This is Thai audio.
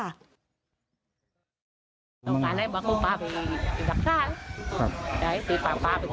กลับแกรมอยู่ปักเดียว